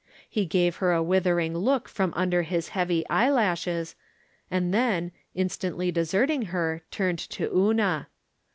He gave her a withering look from under his heavy eyelashes, and then, instantly deserting her, turned to Una.